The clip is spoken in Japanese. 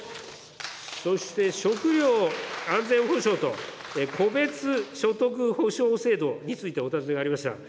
そして食料安全保障と、戸別所得補償制度についてお尋ねがありました。